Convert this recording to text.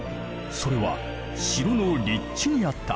それは城の立地にあった。